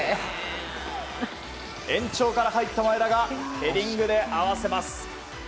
延長から入った前田がヘディングで合わせます。